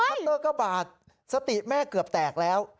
เตอร์ก็บาดสติแม่เกือบแตกแล้ว